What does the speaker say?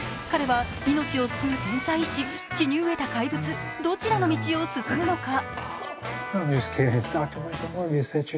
彼は、命を救う天才医師、血に飢えた怪物どちらの道を進むのか。